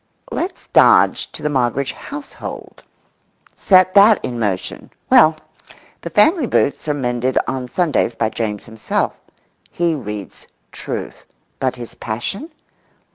Let's dodge to the Moggridge household, set that in motion. Well, the family boots are mended on Sundays by James himself. He reads Truth. But his passion?